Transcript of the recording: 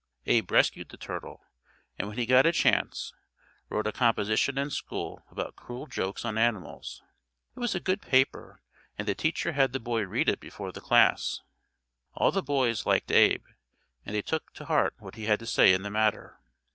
Abe rescued the turtle, and when he got a chance wrote a composition in school about cruel jokes on animals. It was a good paper, and the teacher had the boy read it before the class. All the boys liked Abe, and they took to heart what he had to say in the matter.